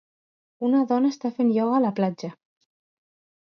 Una dona està fent ioga a la platja.